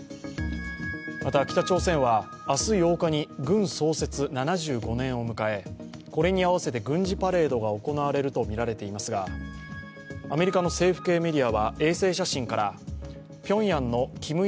また北朝鮮は明日８日に軍創設７５年を迎えこれに合わせて軍事パレードが行われるとみられていますがアメリカの政府系メディアは衛星写真からピョンヤンの金日